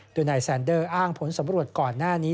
โดยนายแซนเดอร์อ้างผลสำรวจก่อนหน้านี้